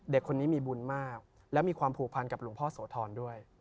เด็กคนนี้มีบุญมากและมีความผูกพันกับหลวงพ่อโสธรด้วย